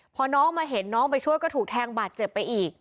พอน้องมาเห็นน้องไปช่วยก็ถูกแทงบาดเจ็บไปอีก